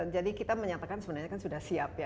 jadi kita menyatakan sebenarnya kan sudah siap ya